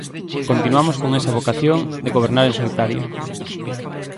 Continuamos con esa vocación de gobernar en solitario.